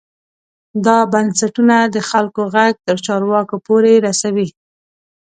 دا بنسټونه د خلکو غږ تر چارواکو پورې رسوي.